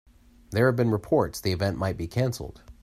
There have been reports the event might be canceled.